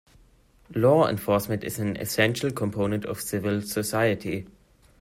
Law enforcement is an essential component of civil society.